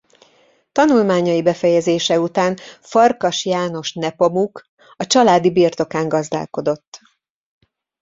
Tanulmányai befejezése után Farkas János Nepomuk a családi birtokán gazdálkodott.